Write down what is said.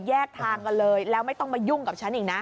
แยกทางกันเลยแล้วไม่ต้องมายุ่งกับฉันอีกนะ